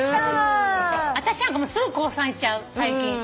私なんかすぐ降参しちゃう最近。